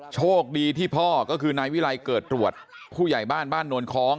โชคดีที่พ่อก็คือนายวิรัยเกิดตรวจผู้ใหญ่บ้านบ้านนวลคล้อง